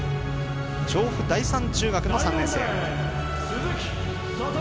調布第三中学の３年生。